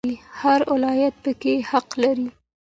هر ولایت پکې حق لري